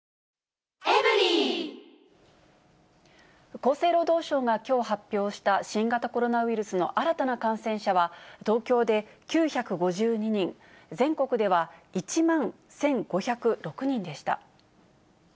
厚生労働省がきょう発表した新型コロナウイルスの新たな感染者は東京で９５２人、全国では１万１５０６人でした。